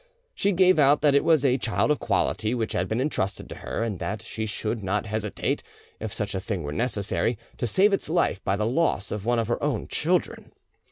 She gave out that it was a child of quality which had been entrusted to her, and that she should not hesitate, if such a thing were necessary, to save its life by the loss of one of her own children.